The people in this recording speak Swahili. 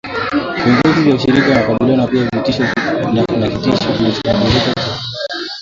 Viongozi wa ushirika wanakabiliwa pia na kitisho kinachoongezeka cha kudumu